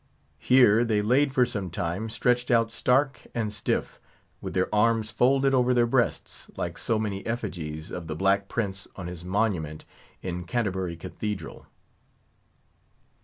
Here they laid for some time, stretched out stark and stiff, with their arms folded over their breasts, like so many effigies of the Black Prince on his monument in Canterbury Cathedral.